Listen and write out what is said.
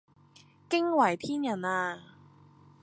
驚為天人呀